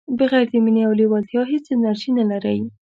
بغیر د مینې او لیوالتیا هیڅ انرژي نه لرئ.